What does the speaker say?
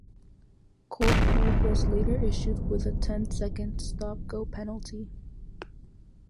Coulthard was later issued with a ten-second stop-go penalty.